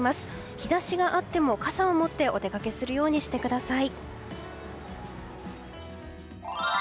日差しがあっても傘を持ってお出かけするようにしてください。